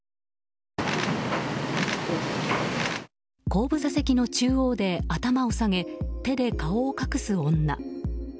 後部座席の中央で頭を下げ手で顔を隠す女。